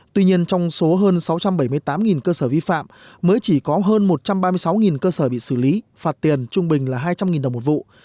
tuy nhiên trong số hơn sáu trăm bảy mươi tám cơ sở vi phạm mới chỉ có hơn một trăm ba mươi sáu cơ sở bị xử lý phạt tiền trung bình là hai trăm linh đồng một vụ